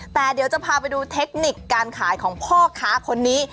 แต่เดี๋ยวจะพาไปดูเทคนิคการขายของพ่อค้าคนนี้